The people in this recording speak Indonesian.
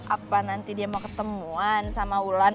apa nanti dia mau ketemuan sama wulan